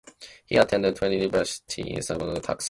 He attended Trinity University in San Antonio, Texas.